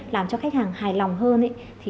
làm cho khách hàng hài lòng hơn